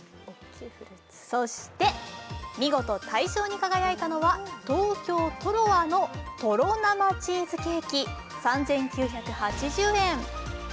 そして見事大賞に輝いたのは東京ｔｏｒｏａのとろ生チーズケーキ３９８０円。